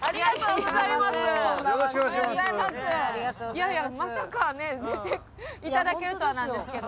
いやいやまさかね出て頂けるとはなんですけど。